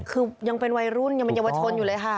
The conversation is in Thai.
ก็คือยังเป็นวัยรุ่นเยอะวะชนอยู่เลยค่ะ